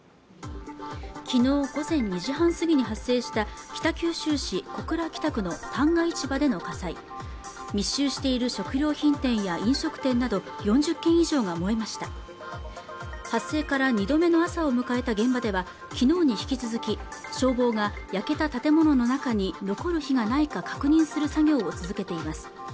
昨日午前２時半過ぎに発生した北九州市小倉北区の旦過市場での火災密集している食料品店や飲食店など４０軒以上が燃えました発生から２度目の朝を迎えた現場では昨日に引き続き消防が焼けた建物の中に残る火がないか確認する作業を続けています